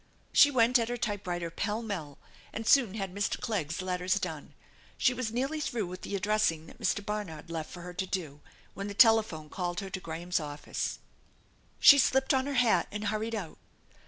She went at her typewriter pell mell, and soon had Mr. Clegg's letters done. She was nearly through with the ad dressing that Mr. Barnard left for her to do when the telephone called her to Graham's office. She slipped on her hat and hurried out.